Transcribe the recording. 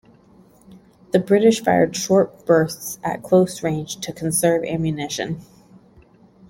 The British fired short bursts at close range, to conserve ammunition.